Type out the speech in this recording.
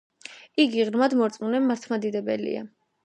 იგი ღრმად მორწმუნე მართლმადიდებელია